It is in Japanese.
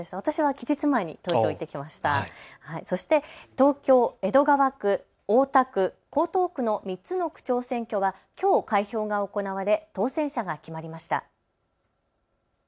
東京江戸川区、大田区、江東区の３つの区長選挙はきょう開票が行われ当選者が決まりました。